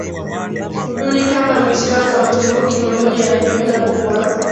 uduni Kama Mwislamu na Mturuki moyoni anajiona kuwa